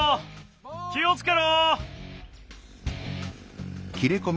きをつけろ！